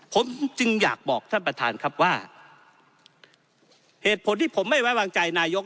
ผมจึงอยากบอกท่านประธานครับว่าเหตุผลที่ผมไม่ไว้วางใจนายก